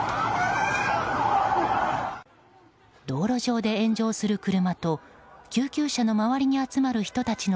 道路上で炎上する車と救急車の周りに集まる人たちの